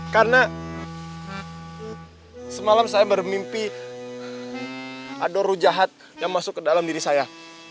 karena semalam saya bermimpi ada rujahat yang masuk ke dalam diri saya